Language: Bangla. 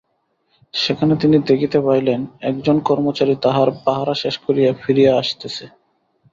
সেখানে তিনি দেখিতে পাইলেন একজন কর্মচারী তাঁহার পাহারা শেষ করিয়া ফিরিয়া আসিতেছে।